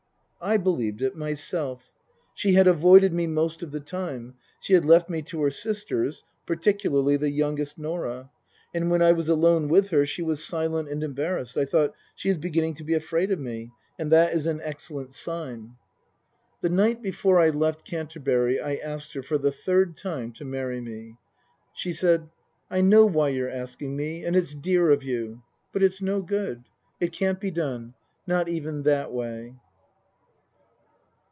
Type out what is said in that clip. I believed it myself. She had avoided me most of the time ; she had left me to her sisters, particularly the youngest, Norah. And when I was alone with her she was silent and embarrassed. I thought :" She is begin ning to be afraid of me. And that is an excellent sign." 106 Tasker Jevons The night before I left Canterbury I asked her, for the third time, to marry me. She said, " I know why you're asking me, and it's dear of you. But it's no good. It can't be done. Not even that way."